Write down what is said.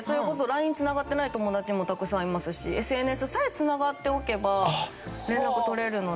ＬＩＮＥつながってない友達もたくさんいますしＳＮＳさえつながっておけば連絡取れるので。